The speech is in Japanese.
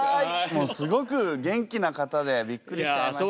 もうすごく元気な方でびっくりしちゃいました。